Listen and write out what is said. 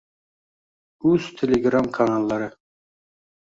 uz Telegram kanallari👇